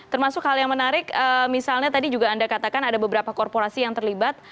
termasuk hal yang menarik misalnya tadi juga anda katakan ada beberapa korporasi yang terlibat